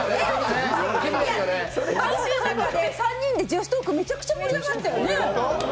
３人で女子トークめちゃくちゃ盛り上がったよね。